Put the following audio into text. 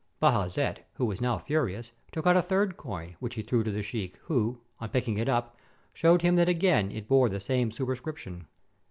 Bajazet, who was now furious, took out a third coin, which he threw to the sheik, who, on picking it up, showed him that again it bore the same superscrip tion.